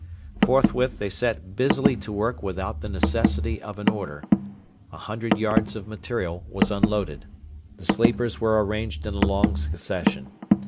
Forthwith they set busily to work without the necessity of an order. A hundred yards of material was unloaded. The sleepers were arranged in a long succession.